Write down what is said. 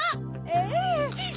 ええ。